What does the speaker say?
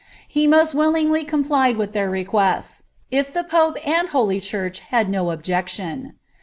He illingly complied with their requests, if the pope and holy church objection.